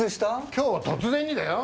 今日突然にだよ？